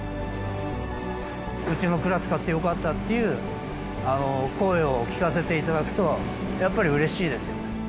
うちの鞍使ってよかったっていう声を聞かせていただくとやっぱりうれしいですよね。